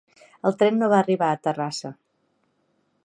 El tren no va arribar a Terrassa.